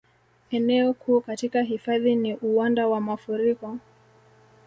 Eneo kuu katika hifadhi ni uwanda wa mafuriko